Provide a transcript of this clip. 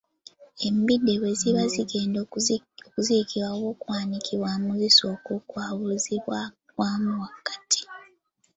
Embidde bwe ziba zigenda okuziikibwa oba okuwanikibwa zisooka kwabuluzibwamu wakati.